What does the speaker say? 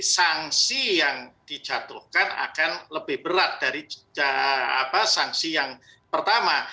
sanksi yang dijatuhkan akan lebih berat dari sanksi yang pertama